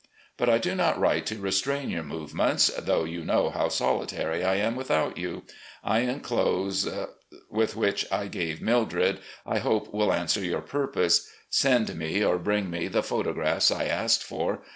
But I do not write to restrain your movements, though you know how solitary I am without you. I inclose ... which, with what I gave Mildred, I hope will answer your purpose. Send me or bring me the photographs I asked for.